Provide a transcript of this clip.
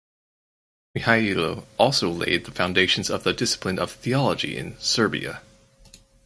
Mihailo also laid the foundations of the discipline of theology in Serbia.